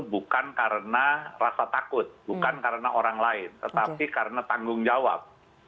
bukan karena rasa takut bukan karena orang lain tetapi karena tanggung jawab